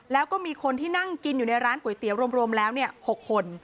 แล้วก็มีคนที่นั่งกินอยู่ในร้านก๋วยเตี๋ยวรวมแล้ว๖คน